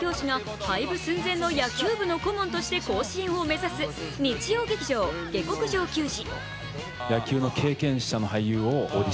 演じる高校教師が廃部寸前の野球部の顧問として甲子園を目指す日曜劇場「下剋上球児」。